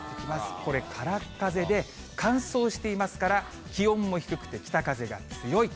これ、からっ風で、乾燥していますから、気温も低くて北風が強い。